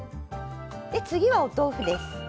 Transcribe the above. で次はお豆腐です。